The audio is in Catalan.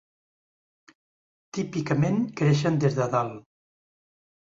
Típicament creixen des de dalt.